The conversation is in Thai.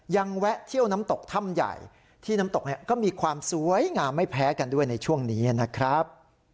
แวะเที่ยวน้ำตกถ้ำใหญ่ที่น้ำตกเนี่ยก็มีความสวยงามไม่แพ้กันด้วยในช่วงนี้นะครับ